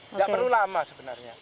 tidak perlu lama sebenarnya